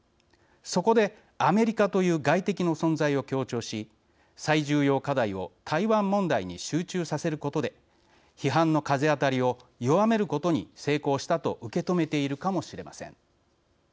そこで、アメリカという外敵の存在を強調し最重要課題を台湾問題に集中させることで批判の風当たりを弱めることに成功したと受け止めているかもしれません。